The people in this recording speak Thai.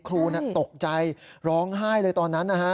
ครูตกใจร้องไห้เลยตอนนั้นนะฮะ